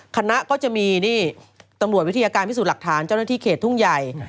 คณะก็จะมีนี่ตำรวจวิทยาการพิสูจน์หลักฐานเจ้าหน้าที่เขตทุ่งใหญ่